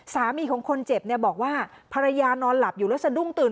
สามีของคนเจ็บเนี่ยบอกว่าภรรยานอนหลับอยู่แล้วสะดุ้งตื่น